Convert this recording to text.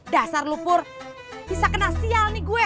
dasar lo pur bisa kena sial nih gue